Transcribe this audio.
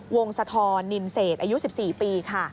สะทอนนินเศษอายุ๑๔ปีค่ะ